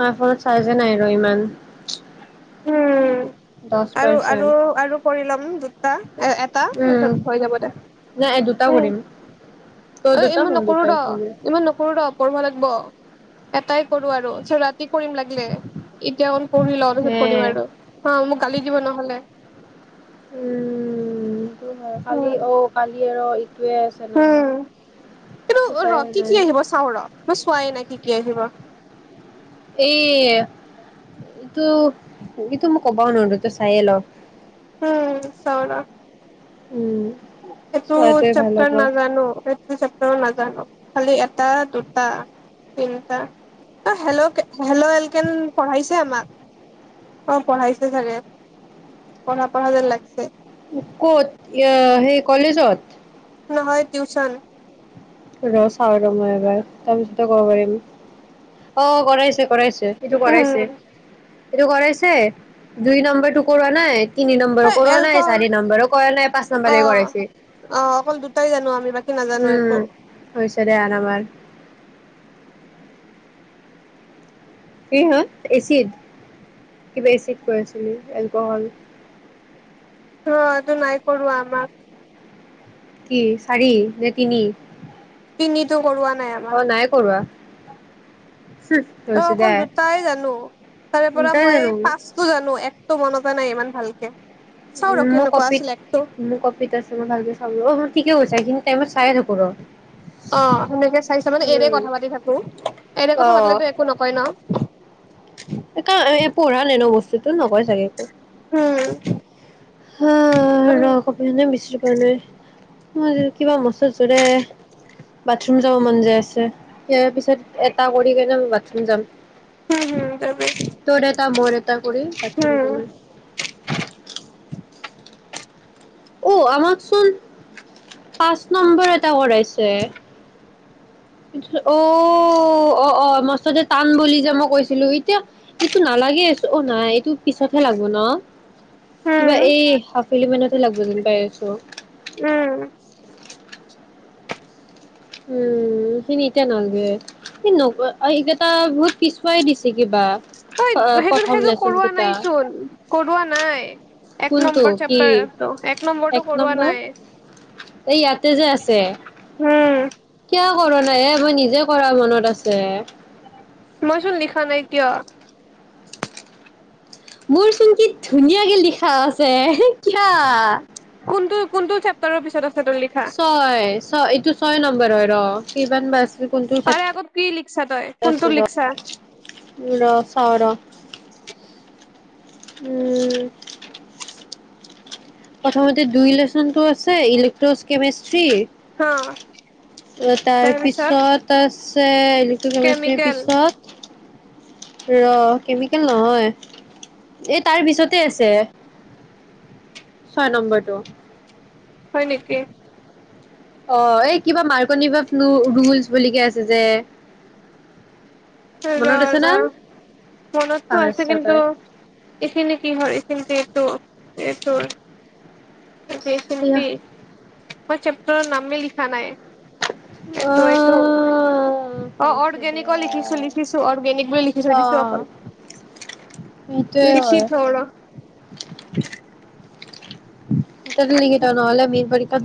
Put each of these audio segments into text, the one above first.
মাৰ ফোনত চাৰ্জে নাই। আৰু ইমান উম দহ আৰু আৰু পাৰ্চেণ্ট আৰু কৰি ল'ম ক এ এটাত উম হৈ যাব দে নাই এই দুটা কৰিম তই অ দুটা ইমান মই নকৰো ৰ দুটাই কৰিম ইমান নকৰো ৰ। কৰিব লাগিব এটাই কৰো আৰু ৰাতি কৰিম লাগিলে। এতিয়া পঢ়ি লও তাৰপিছত হে কৰিম আৰু। হা মোক গালি দিব নহ'লে। উম। কালি উম অ কালি আৰু তোৱে আছে না। উম কিন্তু উপায় ৰ কি নাই কি আহিব চাওঁ ৰ মই চোৱাই এনে কি কি আহিব? এই, এইটো, এইটো মোক, ক'ব নোৱাৰোঁতো চাইয়ে ল'। উম, চাব নোৱাৰ। উম এইটো চোৱাটোৱে ভাল চেপ্টাৰ হ'ব নাজানোঁ। এইটো, চেপ নাজানোঁ। খালি এটা, দুটা, তিনিটা, হেল'-হেল' এল কেন পঢ়াইছে আমাক? অ'! পঢ়াইছে চাগে! পঢ়া-পঢ়া যেন লাগিছে। ক'ত সেই কলেজত? নহয় টিউচন ৰ' চাওঁ ৰ'! মই এবাৰ। তাৰপিছতে, ক'ব পাৰিম। অ'! কৰাইছে। কৰাইছে, সেইটো কৰাইছে। উম এইটো কৰাইছে, দুই নম্বৰটো কৰোৱা নাই। তিনি নম্বৰো কৰাৱা নাই, এলকহল চাৰি নম্বৰো কৰা নাই, পাঁচ অ নম্বৰে কৰাইছে। কি নাজানো একো। উম [unintelligible] কি হল, এচিড কিবা এচিড কৰি আছিল সি এলকহল। অ' এইটো নাই কৰোৱা আমাক। কি চাৰি, নে তিনি? তিনিটো। কৰোৱা নাই অ' নাই কৰোৱা। হুহ, তই হৈছে দে অকল দুটাই জানো, তাৰে পৰা তই জানো মই পাঁচটো জানো। এক টো মনতে নাই ইমান ভালকে। চাও ৰ উম, মই কেনেকুৱা কপিত আছিল একটো মোৰ কপিত আছে মই ভালকে চাবো অ' ম ঠিকে কৈছা এইখিনি টাইমত চাই থাকো। পুৰ অ' সেনেকে চাইছা মানে, এনে কথা পাতি থাকো, এনে অ কথা পাতিলেতো একো নকয় ন। পঢ়ালে ন' বস্তুতো নকয় চাগে একো। উম হা ৰ! উম হুম কপি খনে বিচৰি পোৱা নাই। মই কিবা মছা থৈছোঁ দে, বাথৰুম যাব মন যায় আছে। ইয়াৰ পিছত এটা কৰি কেনে মই স্কুল যাম। উম, হ'ম তেনেকে তাৰ ওপৰিও প্ৰথনা জনাই। ও আমাকচোন পাঁচ নম্বৰ এটা কৰাইছে। ছে অ' অ' অ' মাষ্টৰ টোৱে টান বুলি যে মই কৈছিলোঁ। এতিয়া ইটো নালাগে অহ' অ' নাই এইটো পিছতহে লাগব ন কিবা হুম এই সপ ফিলি মিনতে লাগব যেন পাই আছো। উম। উম এইখিনি এতিয়া নালগে, এইকেইটা বহুত পিছুৱাই দিছে কিবা। ঐ সেইটো প্ৰথম সেইযোৰ লেচন কৰোৱা কেইটা। নাইচোন। কৰোৱা নাই, এক কোনটো নম্বৰ কি চেপ্তাৰ এক নম্বৰটো কৰোৱা নাই। এই ইয়াতে যে আছে উম কিয় কৰোৱা নাই এ মই নিজে কৰা মনত আছে। মই চোন লিখা নাই কিয়? মোৰ চোন কি ধুনীয়াকে লিখা আছে। কিয়া কোনটো কোনটো চেপ্তাৰৰ পিছত আছে তোৰ লিখা ছয় ছয় এইটো ছয় নম্বৰ হয়। ৰ কিমান বা আছে। তাৰে আগত কি লি দেখাইছো ৰ, চাওঁ ৰ উম' প্ৰথমতে দুই ল্যচনটো আছে। ইলেক্ট্ৰচ হা কেমিষ্ট্ৰি তাৰপিছত আছে ইলেক্ট্ৰিচ কেমেষ্টীৰ কেমিকেল পিছত ৰ কেমিকেল নহয় এই তাৰ পিছতে আছে। ছয় নম্বৰটো। হয় নেকি? অ' এই কিবা মাৰ্কনিভ ৰুলচ বুলিকে আছে যে ৰ মনত আছে না ৰ মনততো আছে পাহৰিছা কিন্ত তই এইখিনি কি হয় এইখিনতেটো এ তোৰ সি এয়া চফি [unintelligible] মই চেপ্টৰৰ নামে লিখা নাই। অ এইটো এইটো অ' হৈছে দে অৰ্গেনিকো লিখিছো আৰ। লিখিছো অৰ্গেনিক বুলি লিখি থৈ অ দিছো অকল, সেইটোয়ে লিখি হয় থওঁ ৰ। [inaudible] [unintelligible] তাত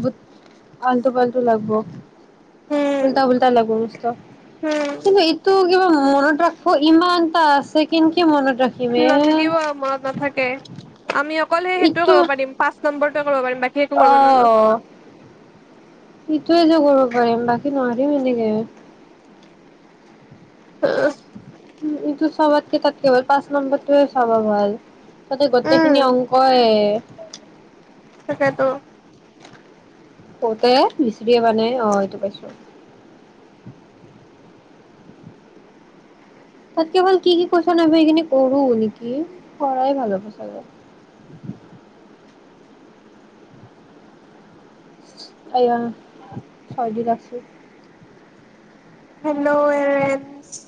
ব আল্টু পাল্টু লাগিব। উম উল্টা উুল্টা লাগ মস্ত। উম এইটো কিবা মনত ৰাখ ইমানটা আছে কিন্তু নাথাকিব মনত নাথাকে আমি অকলে স সেইটো ইটো কৰিব পাৰিম পাঁচ নম্বৰ অ'। তই এইযো কৰিব পাৰিম বাকী নোৱাৰিম এনেকে [unintelligible] উম' [unintelligible] চবাতকে তাত কেৱল পাঁচ নম্বৰটোৱে চাবা ভাল তাতে গোটেইখিনি উম অংকয়ে তাকেতো কতে বিচৰিয়ে মানে আহ এইটো পাইছো তাত কেৱল কি কি কৈছেন আহিব এইখিনি কৰো নেকি কৰাই ভাল হ'ব চাগে? [inaudible] [unintelligible] হেল্ল' [unintelligible]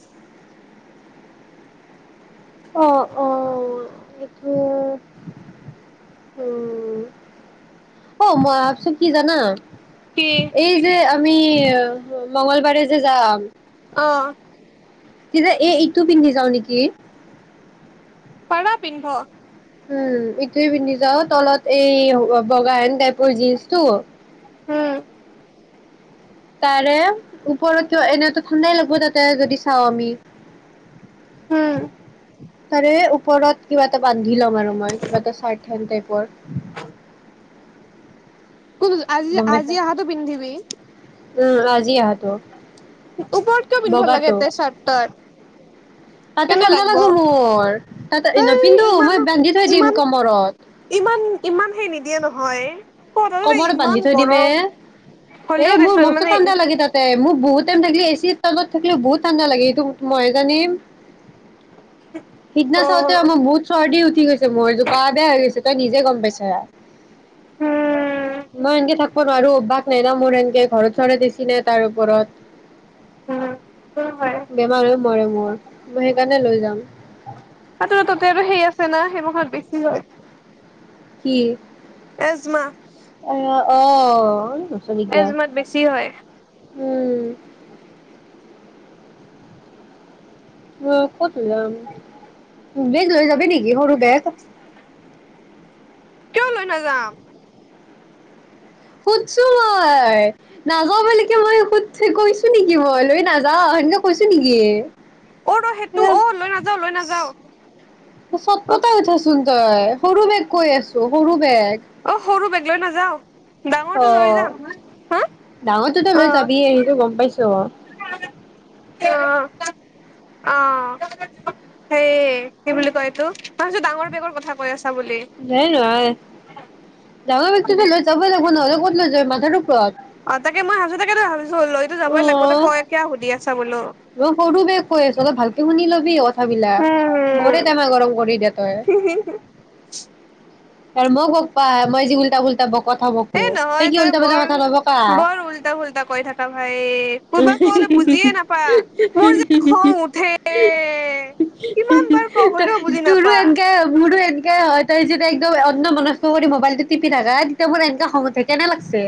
অ', অ, এইটো উ', অ, মই কি জানা কি এই যে আমি মংগলবাৰে যে যাম ন তেতিয়া এ ইটো পিন্ধি যাওঁ নেকি? পাৰা পিন্ধ উম' ইটোৱে পিন্ধি যাওঁ, তলত এই বগা সেন টাইপৰ জীন্চটো। উম তাৰে ওপৰতো এনে ঠাণ্ডাই লাগিব, তাতে যদি চাওঁ আমি। হ'ম তাৰে ওপৰত কিবা এটা বান্ধি ল'ম আৰু হয় কিবা এটা চাৰ্ট হেন টাইপৰ। ক আজি গম আজি পাইছা আহাটো পিন্ধিবি? উম' আজি আহাতো ওপৰত কিয় পিন্ধিব লাগে এতে চাৰ্ট তই? তাতে কেনে ঠাণ্ডা লাগব লাগিব মোৰ, তাতে এই নিপিন্ধো মই ইমানো বান্ধি থৈ দিম ইমান কমৰত। হয় কমৰত বান্ধি থৈ দিম এ, এ হ'লেও মোৰ দেচোন মষ্ট মানে ঠাণ্ডা লাগে তাতে মোক বহুত টাইম থাকিলে এ চি। টাইমত থাকিলেও বহুত ঠাণ্ডা লাগে, এইটো মই জানিম। সিদিনা অ চাওঁতেও মোৰ বহুত চৰ্দি উঠি গৈছে মোৰ সেইটো কাৰণে আনিছোঁ। তই নিজে গম পাইছা। উম মই এনকে থাকিব নোৱাৰো, বাক না মোৰ এনকে ঘৰত চৰে দিছি নাই তাৰ উম সেইটো হয় ওপৰত। বেমাৰ হৈ মৰে মোৰ, মই সেইকাৰণে লৈ যাম। তাতো তাতে আৰু সেই আছে না সেইমখত বেছি হয়। কি এজমা অ' অ' এজমাত বেছি হয়। উম। অ' ক'ত যাম। বেগ লৈ যাবি নেকি সৰু বেগ? কিয় লৈ নাযাম। সুধছো মই নাযাওঁ বুলিকে মই সুধ কৈছো নেকি মই লৈ নাযাওঁ এনেকে কৈছো নেকি। অ' ৰ সেইটো এ অ' লৈ নাযাওঁ লৈ নাযাওঁ অ'। চটপটাই উঠাচোন সৰু বে কৈ আছো সৰু বেগ অ' সৰু বেগ। লৈ নাযাওঁ। অ' ডাঙৰতোটো তই অ লৈ যাবিয়েই গ'ম পাইছো অ'। অ' অ' সেই কি বুলি কয় এইটো, মই ভাবিছো ডাঙৰ বেগৰ কথা কৈ আছ। নাই নহয় ডাঙৰ ব্যক্তি লৈ ত দেখোন নহ'লে ক'ত লৈ যাব মাথা ওপৰত। টো অ' যাবই লাগিব তই কিয় সুধি আছা বোলো। মই সৰুটো বাগ কৈ আছো অলপ ভালকে শুনি ল'বি। কথাবিলাক মৰে টেমা গৰম কৰি দিয়ে। উ [unintelligible] আৰু মোক বগ্পা মই যি উলটা উলটা ব কথাাব ক এই তই নহয় কি উল্টা পোল্টা বৰ কথা লব ক বৰ উল্টা পুল্টা কৈ থাকা ভাই কোনোবা কলে বুজিয়ে নাপা মোৰ যে খং উঠে কিমান বাৰ ক হলেও বুজি তোৰো নাপা এনেকাই মোৰো এনেকাই হয় তই যে [unintelligible] অন্য মনস্ক কৰি মোবাইল টো টিপি থাকা। তেওঁ মোৰ এনেকা খং উঠে কেনে লাগছে।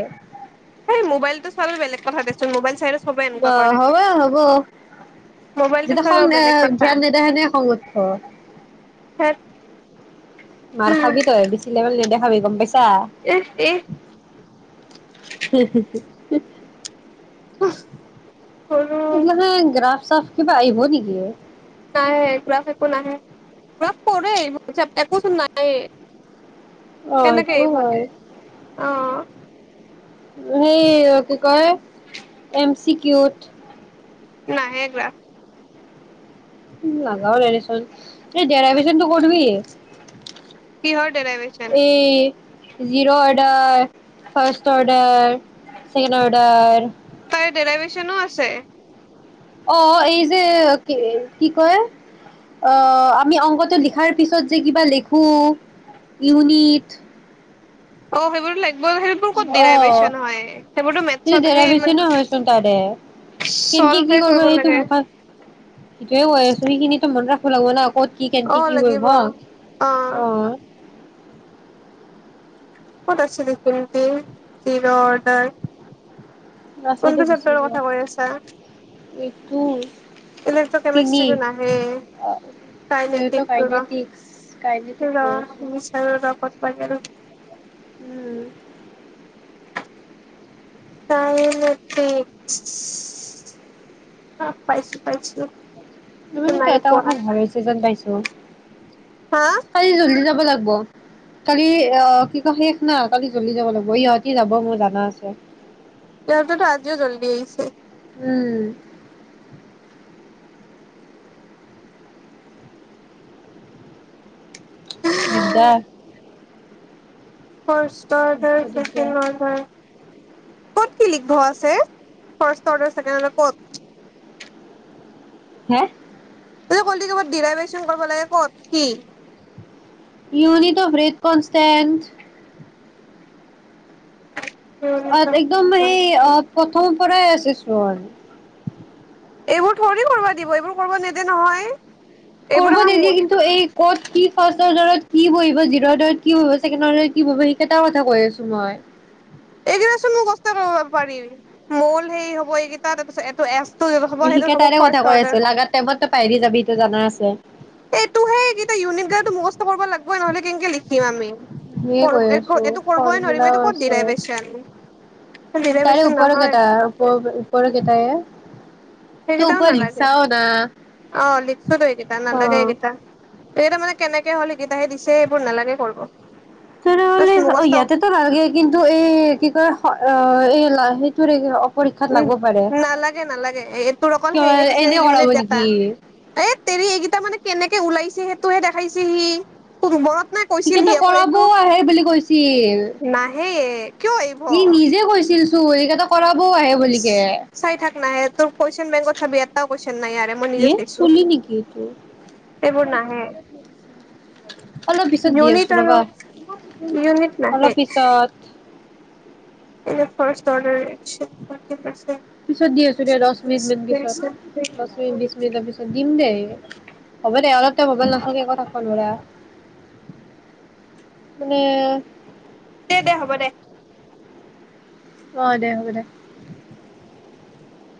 তোৰ মোবাইল চাই আহ, হবই হ'ব মোবাইলটো যেতিয়া খং চোৱাটো বেলেগ কথা ধ্যান নিদায়ে সেনে খং উঠিব। ধেৎ মাৰৰ খাবি তই বেছি লেভেল নিদেখাবি গ'ম পাইছ। ইষ, ইষ। হোমহ, হোমহ। উমহ মোৰ মানে গ্ৰাফ চাফ কিবা আহিব নেকি অ'। নাহে এইবিলাক একো নাহে এইবিলাক পঢ়ে একোচোন নাই। অ কেনেকে সেইটো হয় এইভতে অ'। হেই কি কয় এম চি কিউত। নাহে যোৱা এই নাজাও ৰেদিচন এই ডেৰাইভচনটো কৰবি কিহৰ ডেৰাইভেচন এই zero order first order second order তাইৰ ডেৰাইভেচনো আছে অ' এই কি যে কি কয় অ ' আপুনি আমি অংকটো লিখাৰ পিছত যে কিবা লিখোঁ ইউনিট। অ' সেইবোৰো লাগে অ' সেইবোৰতো সেইটো মেথছত সেই মানে দেৰাবেচনো হয় চোন তাৰে কেনেকে কি চল্ভে কৰিব সেইটো লাগে মুখত সেইটয়ে কৈ আছো সেইখিনিতো মনত ৰাখিব লাগিব না কত কি অ কেনেকে কি লাগিব কৰিব অ' ক'ত আছিলি তেন্তে দিনৰ অৰ্ডাৰ ল'ৰা ছোৱালী কোনটো গুচি চেপ্তাৰৰ যোৱা কথা কৈ আছা। এইটো। কালিটো তিনি কেমিষ্ট্ৰীজন নাহে, কাই এইটো নেতিক তৰা, কাইনেটিক্স কাইনেটিক কৈ ৰহ আছো বিচাৰো ৰহ কত পায় আৰু উম হৈ নেকি, অহ পাইছো পাইছো তুমি কিন্তু নাই এটা কথা পঢ়া ভাবিছে যেন যেন পাইছো। হা আৰু [unintelligible] ব কালি অহ কি কয় শেষ না কালি জ্বলদি যাব লাগিব, সিহতি যাব মোৰ জানা আছে। সিহঁতেটো আজিও জল্দি আহিছে। উম দিগদাৰ [unintelligible] মস্ত কত দিগদাৰ কি লিখা ঘৰ আছে, ফাৰ্ষ্ট অৰ্ডাৰ ছেকেণ্ড অৰ্ডাৰ কত? হে তই কলি ক'ৰবাত দিৰাই বাইচোন কৰিব লাগে, ক'ত কি ইউনিট অফ ৰেট কন ষ্টেথ অহ, একদম সেই অহ প্ৰথমৰ পৰাই আছে চোন এইবোৰ থৰে কৰিব দিব, এইবোৰ কৰিব নিদিয়ে নহয়। এইবোৰ কৰব আমাৰ নিদিয়ে মূল, কিন্তু এই ক'ত কি ফাৰ্ষ্ট অৰ্ডাৰত কি বহিব জিৰ' অৰ্ডাৰত কি বহিব ছেকেত কি বহিব সেইকেইটা কথা কৈ আছো মই। এইকেইটা চোন মুখস্থই কৰিব পাৰি মল হেই হ'ব এইকেইটা তাৰপিছত এইটো এচ টো হ'ব সেইটো হ'ব সেইকেইটাৰে কথা ফাৰ্ষ্ট কৈ অৰ্ডাৰ আছো, লগাৰ টাইমতো পাহৰি যাবি সেইটো জানা আ ছে। এইটো সেইকেই ইউনিট কেইটাটো মুখস্থ কৰিব লাগিবই নহলে কেনেকে লিখিম আমি। মি কৈ আছো এইটো কৰিবই নোৱাৰিম এইটো ফৰমোলাও ক'ত আছে ডিৰাইভেচন তাৰে ডিৰাইভেচন ওপৰ নহয়। কেইটা ওপৰ কেইটাই ত সেইকেইটাও ওপৰত নালাগে, লিখচাও না। অ লিখছোঁ ত এইকেইটা অ। নালাগে এইকেইটা। এই কেইটা মানে কেনেকে হ'ল সেইকেইটাহে দিছে সেইবোৰ নালাগে কৰিব। তেনেহলে জাষ্ট মুখস্থ ইয়াতেটো নালগে কিন্তু এই কি কয় অ এই তোৰ [unintelligible] উম, নালাগে, নালাগে এই তোৰ অকল সেহে কিয় দিছে এনে কৰাব ইউনিট নেকি? হেট তেৰি এইকেইটা মানে কেনেকে ওলাইছে সেইটোহে দেখাইছে সি তো মূৰত টিকেতো কৰাব আহে বুলি কৈছিল নাহে কিয় ই আহিব। নিজে কৈছিল। টো এইকেইটা কৰাক। চাই থাক নাহে তোৰ কৈচনবেংকত। চাবিএটাও কৈছো। এ চুলি নেকি এইটো এইবোৰ নাহে অলপ পিছত দি ইউনিট আছো আৰু ৰবা ইউনিট অলপ পিছত এ ৰ্ফাষ্ট অডাৰ পিছত দি আছো দে দহ মিনিট মান পিছত। দহ মিনিট বিশ মিনিটৰ পিছত দিম দেই, হ'ব দে অলপ তই ম'বাইল নাচোৱাকে থাকিব নোৱাৰা। কোনে দে দে হ'ব দে। অ' দে হ'ব দে।